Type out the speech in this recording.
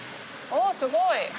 おすごい。